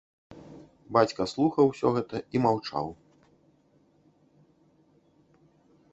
Бацька слухаў усё гэта і маўчаў.